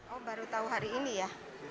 oh baru tahu hari ini ya